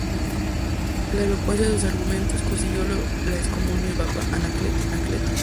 La elocuencia de sus argumentos consiguió la excomunión del antipapa Anacleto.